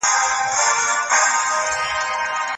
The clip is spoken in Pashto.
بیا نو که هر څومره قوي پیغام هم ولري